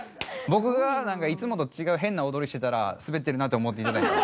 僕がなんかいつもと違う変な踊りしてたらスベってるなって思って頂いて。